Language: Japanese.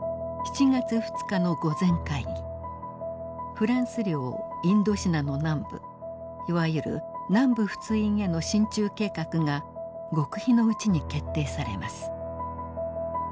フランス領インドシナの南部いわゆる南部仏印への進駐計画が極秘のうちに決定されます。